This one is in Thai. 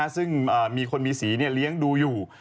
ซึ่งมีคนมีสีเลี้ยงดูอยู่